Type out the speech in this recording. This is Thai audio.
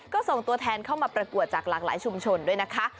ก็ส่งตัวแทนเข้ามาประกวดจากหลากหลายชุมชนด้วยนะคะ